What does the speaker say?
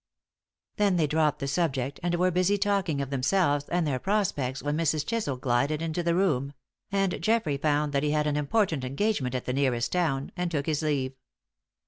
Then they dropped the subject, and were busy talking of themselves and their prospects when Mrs. Chisel glided into the room; and Geoffrey found that he had an important engagement at the nearest town, and took his leave.